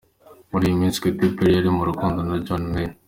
Muri iyi minsi Katy Perry ari mu rukundo na John Mayor.